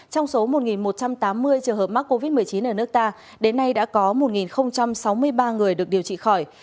trong số một một trăm tám mươi trường hợp mắc covid một mươi chín ở nước ta đến nay đã có một sáu mươi ba người được điều trị khỏi